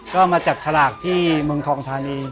ก็มาจับฉลากที่เมืองทองทานี